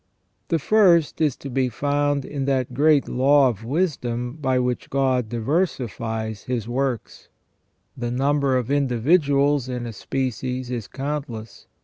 The first is to be found in that great law of wisdom by which God diversifies His works. The number of individuals in a species is countless.